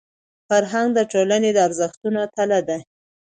فرهنګ د ټولني د ارزښتونو تله ده.